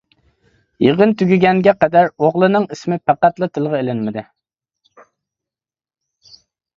يىغىن تۈگىگەنگە قەدەر ئوغلىنىڭ ئىسمى پەقەتلا تىلغا ئېلىنمىدى.